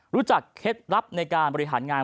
เคล็ดลับในการบริหารงาน